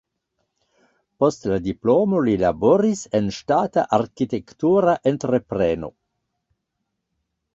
Post la diplomo li laboris en ŝtata arkitektura entrepreno.